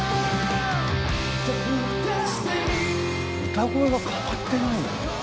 歌声が変わってないんだね。